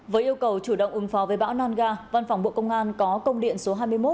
với yêu cầu chủ động ứng phó với bão nangga văn phòng bộ công an có công điện số hai mươi một